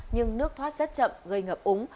nhưng nước thoát rất chậm gây ngập úng